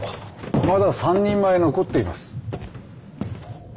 まだ３人前残っています。